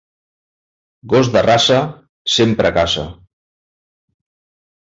Gos de raça sempre caça.